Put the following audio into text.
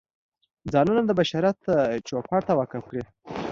ځانونه د بشریت چوپړ ته وقف کړي.